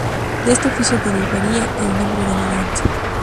De este oficio derivaría el nombre de la danza.